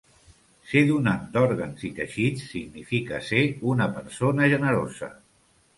Ser donant d'òrgans i teixits significa ser una persona generosa.